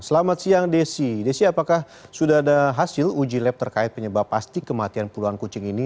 selamat siang desi desi apakah sudah ada hasil uji lab terkait penyebab pasti kematian puluhan kucing ini